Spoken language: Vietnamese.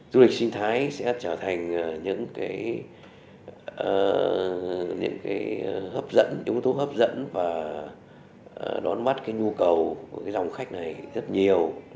du lịch sinh thái sẽ trở thành những cái hấp dẫn ứng thú hấp dẫn và đón mắt cái nhu cầu của cái dòng khách này rất nhiều đến với quảng bình